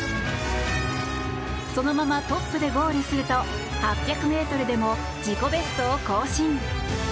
そのままトップでゴールすると８００ｍでも自己ベストを更新。